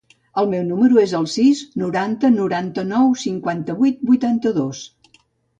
El meu número es el sis, noranta, noranta-nou, cinquanta-vuit, vuitanta-dos.